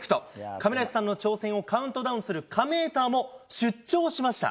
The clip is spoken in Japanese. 亀梨さんの挑戦をカウントダウンするカメーターも出張しました。